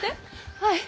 はい。